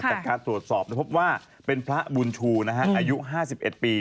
จากการตรวจสอบเราพบว่าเป็นพระบุญชูนะฮันอายุห้าสิบเอ็ดปี